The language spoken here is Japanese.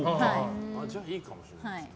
じゃあいいかもしれないですね。